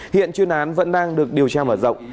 hiện chuyên án vẫn đang được điều tra mở rộng